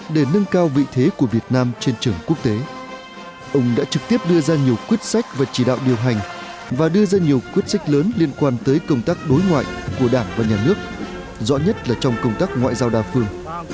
để nâng cao vị thế của việt nam trên trường quốc tế ông đã trực tiếp đưa ra nhiều quyết sách và chỉ đạo điều hành và đưa ra nhiều quyết sách lớn liên quan tới công tác đối ngoại của đảng và nhà nước rõ nhất là trong công tác ngoại giao đa phương